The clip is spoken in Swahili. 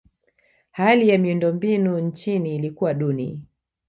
hali ya miundombinu nchini ilikuwa duni